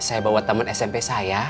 saya bawa teman smp saya